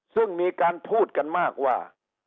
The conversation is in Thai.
ซึ่งมีการพูดกันมากว่า